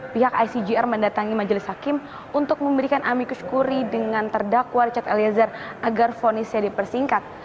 pihak icgr mendatangi majelis hakim untuk memberikan amikus kuri dengan terdakwa richard eliezer agar fonisnya dipersingkat